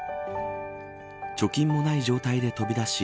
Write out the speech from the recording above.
貯金もない状態で飛び出し